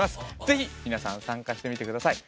ぜひ皆さん参加してみて下さい。